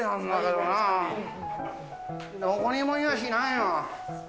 どこにもいやしないよ。